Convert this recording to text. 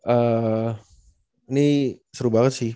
ini seru banget sih